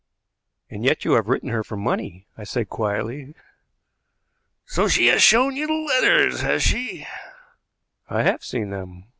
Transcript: "And yet you have written to her for money," I said quietly. "So she has shown you the letters, has she?" "I have seen them.